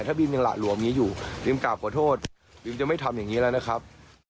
ถ้าบิ๊มยังหละหลวมอยู่บิ๊มกราบขอโทษบิ๊มจะไม่ทำอย่างนี้แล้วนะครับ